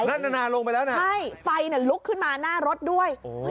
นั่นนานาลงไปแล้วนะใช่ไฟลุกขึ้นมาหน้ารถด้วย